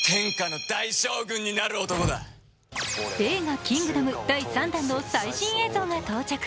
映画「キングダム」第３弾の最新映像が到着。